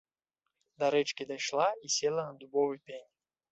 Да рэчкі дайшла і села на дубовы пень.